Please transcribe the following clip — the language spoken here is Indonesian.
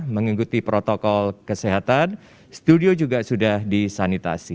mengikuti protokol kesehatan studio juga sudah disanitasi